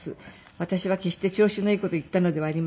「私は決して調子のいい事を言ったのではありません」